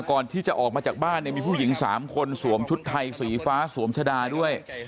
ก่อนที่จะออกมาจากบ้านเนี่ยมีผู้หญิง๓คนสวมชุดไทยสีฟ้าสวมชะดาด้วย